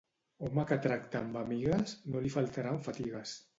Home que tracta amb amigues, no li faltaran fatigues.